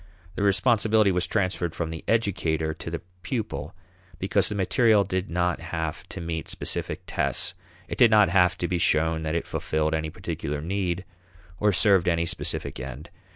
The responsibility was transferred from the educator to the pupil because the material did not have to meet specific tests; it did not have to be shown that it fulfilled any particular need or served any specific end.